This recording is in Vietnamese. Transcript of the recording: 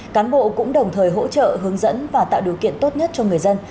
cán bộ cũng đồng thời hỗ trợ hướng dẫn và tạo điều kiện tốt nhất cho người dân